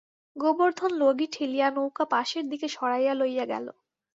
গোবর্ধন লগি ঠেলিয়া নৌকা পাশের দিকে সরাইয়া লাইয়া গেল!